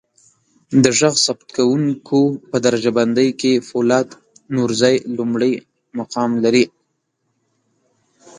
د ږغ ثبتکوونکو په درجه بندی کې فولاد نورزی لمړی مقام لري.